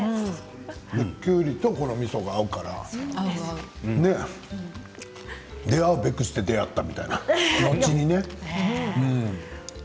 きゅうりと、このみそが合うから出会うべくして出会ったというような感じですね。